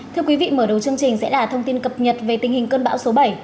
thưa quý vị mở đầu chương trình sẽ là thông tin cập nhật về tình hình cơn bão số bảy